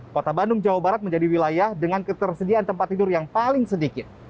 kota bandung jawa barat menjadi wilayah dengan ketersediaan tempat tidur yang paling sedikit